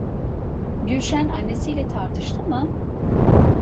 Gülşen annesiyle tartıştı mı?